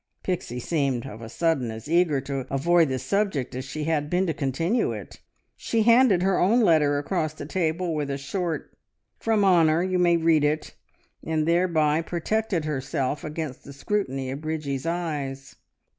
Pixie seemed of a sudden as eager to avoid the subject as she had been to continue it. She handed her own letter across the table with a short "From Honor! You may read it," and thereby protected herself against the scrutiny of Bridgie's eyes.